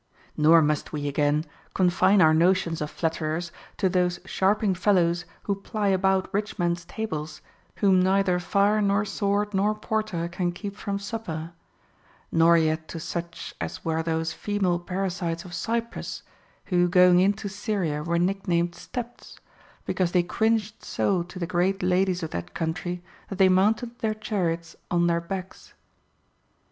Nor must we, again, confine our notions of flatterers to those sharping fellows who ply about rich mens tables, whom neither fire nor sword nor porter can keep from supper ; nor yet to such as were those female parasites of Cyprus, who going into 10 i HOW TO KNOW A FLATTERER Syria were nick named Steps, because they cringed so to the great ladies of that country that they mounted their chariots on their backs.